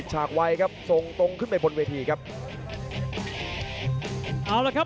ดาบดำเล่นงานบนเวลาตัวด้วยหันขวา